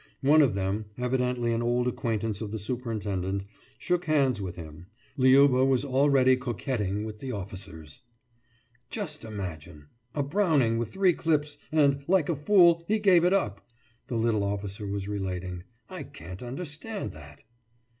One of them, evidently an old acquaintance of the superintendent, shook hands with him. Liuba was already coquetting with the officers. »Just imagine! A Browning with three clips and, like a fool, he gave it up!« the little officer was relating. »I can't understand that!